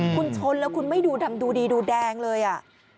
คุณชนแล้วคุณไม่ดูดำดูดีดูแดงเลยอ่ะ